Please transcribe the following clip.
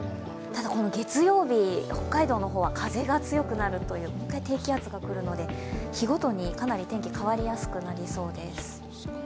ただこの月曜日、北海道の方は風が強くなるので低気圧がもう一回くるので日ごとにかなり天気が変わりやすいです。